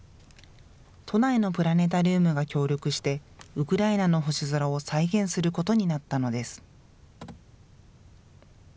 都内のプラネタリウムが協力して、ウクライナの星空を再現することになったのです。